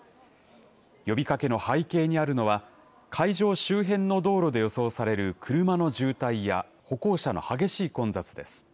呼びかけの背景にあるのは会場周辺の道路で予想される車の渋滞や歩行者の激しい混雑です。